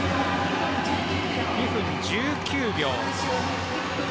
２分１９秒。